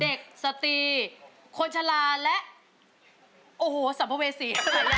โอ้โฮสัมพเวศี